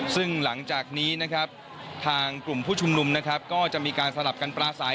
ซึ่งหลังจากนี้นะครับทางกลุ่มผู้ชุมนุมนะครับก็จะมีการสลับกันปลาสาย